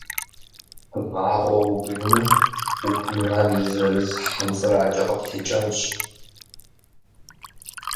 Вагъуэ убжмэ, убжам и зырыз хьэмцӏыракӏэ къыптекӏэнщ.